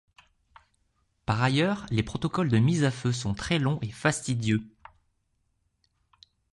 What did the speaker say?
Par ailleurs, les protocoles de mise à feu sont très longs et fastidieux.